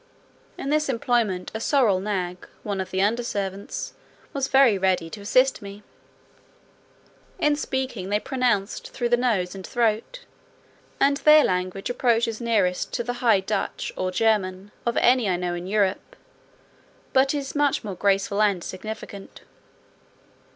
In this employment, a sorrel nag, one of the under servants, was very ready to assist me. In speaking, they pronounced through the nose and throat, and their language approaches nearest to the High Dutch, or German, of any I know in Europe; but is much more graceful and significant.